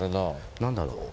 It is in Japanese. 何だろう？